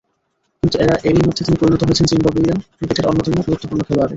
কিন্তু এরই মধ্যে তিনি পরিণত হয়েছেন জিম্বাবুইয়ান ক্রিকেটের অন্যতম গুরুত্বপূর্ণ খেলোয়াড়ে।